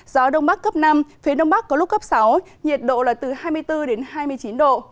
gió đông bắc cấp năm phía đông bắc có lúc cấp sáu nhiệt độ là từ hai mươi bốn đến hai mươi chín độ